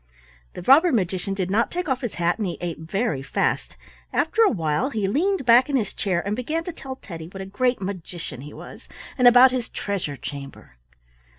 The robber magician did not take off his hat, and he ate very fast; after a while he leaned back in his chair and began to tell Teddy what a great magician he was, and about his treasure chamber.